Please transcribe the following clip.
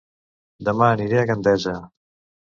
Dema aniré a Gandesa